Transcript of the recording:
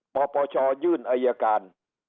ปปชยื่นอายการ